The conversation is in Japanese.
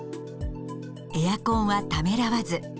エアコンはためらわず。